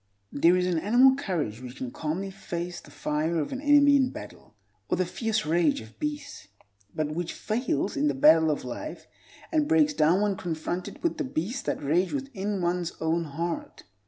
There is an animal courage which can calmly face the fire of an enemy in battle, or the fierce rage of beasts, but which fails in the battle of life and breaks down when confronted with the beasts that rage within one's own heart.